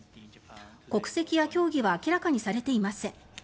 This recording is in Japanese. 国籍や競技は明らかにされていません。